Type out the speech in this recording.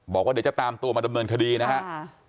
บอกว่าเดี๋ยวจะตามตัวมาดำเนินคดีนะครับ